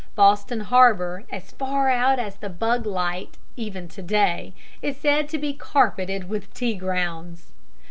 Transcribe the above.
Boston Harbor, as far out as the Bug Light, even to day, is said to be carpeted with tea grounds.